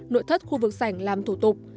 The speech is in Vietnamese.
nội thất khu vực sảnh làm thủ tục